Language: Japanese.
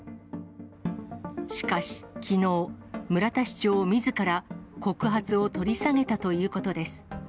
しかしきのう、村田市長みずから、告発を取り下げたということです。